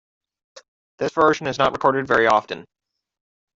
This version is not recorded very often.